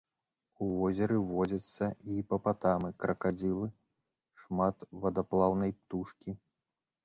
У возеры водзяцца гіпапатамы, кракадзілы, шмат вадаплаўнай птушкі.